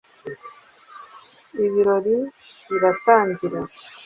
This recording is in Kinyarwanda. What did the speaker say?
ibirori biratangira